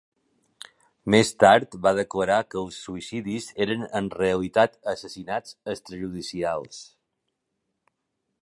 Més tard va declarar que els suïcidis eren en realitat assassinats extrajudicials.